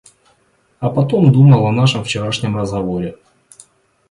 А потом думал о нашем вчерашнем разговоре.